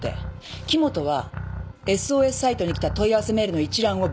木元はＳＯＳサイトに来た問い合わせメールの一覧を分析して。